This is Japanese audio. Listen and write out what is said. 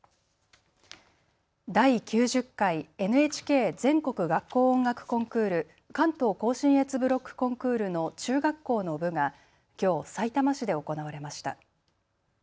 第９０回ＮＨＫ全国学校音楽コンクール関東甲信越ブロックコンクールの中学校の部がきょうさいたま市で行われました。